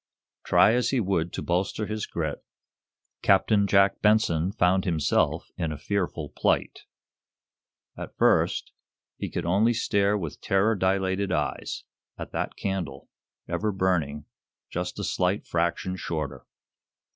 Try as he would to bolster his grit, Captain Jack Benson found himself in a fearful plight. At first, he could only stare, with terror dilated eyes, at that candle ever burning just a slight fraction shorter!